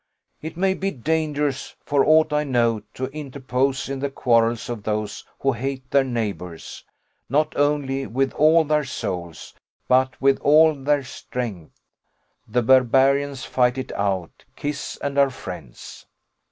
It may be dangerous, for aught I know, to interpose in the quarrels of those who hate their neighbours, not only with all their souls, but with all their strength the barbarians fight it out, kiss, and are friends.